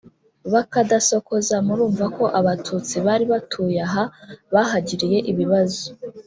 ba Kadasokoza murumva ko abatutsi bari batuye aha bahagiriye ibibazo